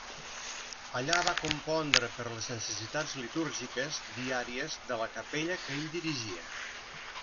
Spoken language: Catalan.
Allà va compondre per les necessitats litúrgiques diàries de la capella que ell dirigia.